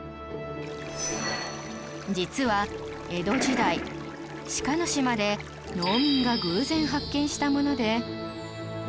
実は江戸時代志賀島で農民が偶然発見したもので